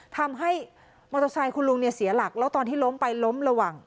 ทำให้มอเตอร์ไซค์คุณลุงเนี่ยเสียหลักแล้วตอนที่ล้มไปล้มระหว่าง